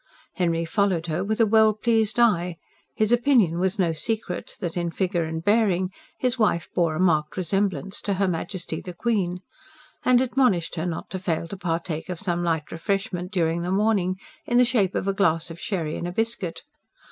Henry followed her with a well pleased eye his opinion was no secret that, in figure and bearing, his wife bore a marked resemblance to her Majesty the Queen and admonished her not to fail to partake of some light refreshment during the morning, in the shape of a glass of sherry and a biscuit.